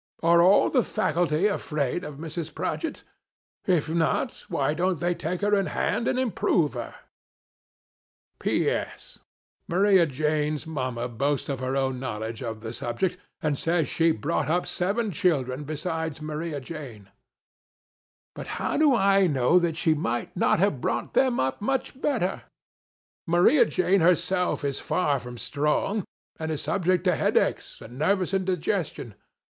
Are all the faculty afraid of Mrs. Prodgit 1 If not, why don't they take her in hand and improve her 1 P. S. Maria Jane's Mama boasts of her Cliarles Dickens.] THE TYRANT OF MINNIGISSENGEN. own knowledge of the subject, and says she brought up seven children besides Maria Jane. But, how do 1 know that she might not have brought them up, much better 1 Maria Jane herself, is far from strong, and is subject to headaches, and nervous indigestion.